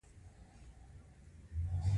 د تطبیق قدرت لرل هم ډیر مهم دي.